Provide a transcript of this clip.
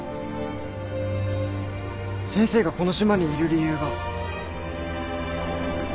先生がこの島にいる理由が。